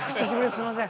すいません。